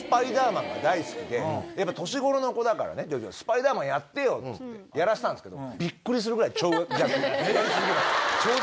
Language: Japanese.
が大好きで年頃の子だからねスパイダーマンやってよっつってやらせたんですけどビックリするくらい長尺。